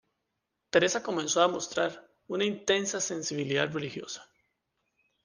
Teresa comenzó a demostrar una intensa sensibilidad religiosa.